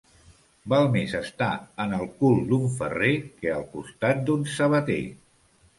Val més estar en el cul d'un ferrer, que al costat d'un sabater.